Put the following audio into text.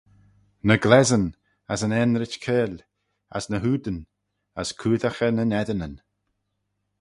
Ny glessyn, as yn aanrit-keyl, as ny hoodyn, as coodaghey nyn eddinyn.